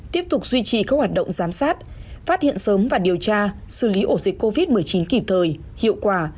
tiếp tục duy trì các hoạt động giám sát phát hiện sớm và điều tra xử lý ổ dịch covid một mươi chín kịp thời hiệu quả